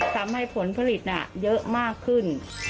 ทำให้ผลผลิตเยอะมากขึ้น